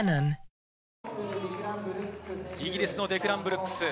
イギリスのデクラン・ブルックス。